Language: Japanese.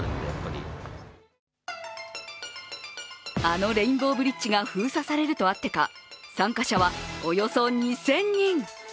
あのレインボーブリッジが封鎖されるとあってか参加者はおよそ２０００人。